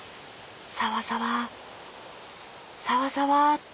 サワサワサワサワって。